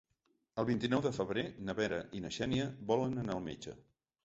El vint-i-nou de febrer na Vera i na Xènia volen anar al metge.